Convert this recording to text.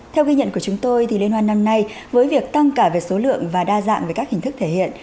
theo ghi nhận của chúng tôi liên hoan năm nay với việc tăng cả về số lượng và đa dạng với các hình thức thể hiện